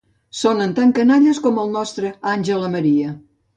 Sonen tan canalles com el nostre "Àngela Maria".